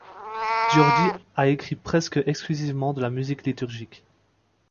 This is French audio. Giorgi a écrit presque exclusivement de la musique liturgique.